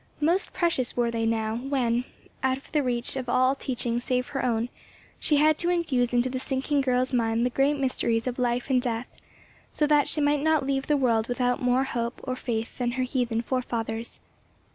Most precious were they now, when, out of the reach of all teaching save her own, she had to infuse into the sinking girl's mind the great mysteries of life and death, that so she might not leave the world without more hope or faith than her heathen forefathers.